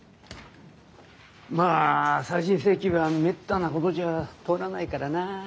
まあ再審請求はめったなことじゃ通らないからな。